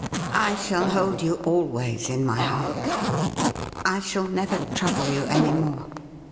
' I shall hold you always in my heart. I shall never trouble you any more.